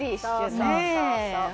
そうそうそうそう！